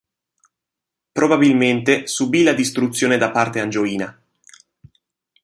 Probabilmente subì la distruzione da parte angioina.